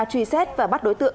truy xét và bắt đối tượng